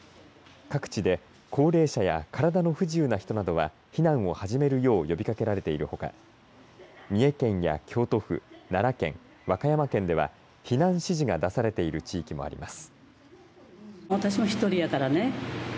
各地で高齢者や体の不自由な人などは避難を始めるよう呼びかけられているほか、三重県や京都府、奈良県、和歌山県では避難指示が出されている地域もあります。